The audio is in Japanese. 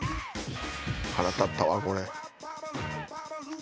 ［腹立ったわこれ］